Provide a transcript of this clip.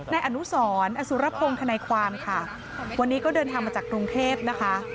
นายอนุสรอสุรพงศ์ธนายความค่ะวันนี้ก็เดินทางมาจากกรุงเทพนะคะ